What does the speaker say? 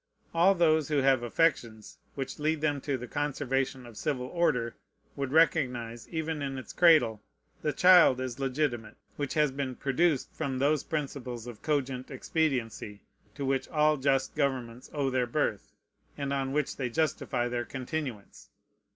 All those who have affections which lead them to the conservation of civil order would recognize, even in its cradle, the child as legitimate, which has been produced from those principles of cogent expediency to which all just governments owe their birth, and on which they justify their continuance.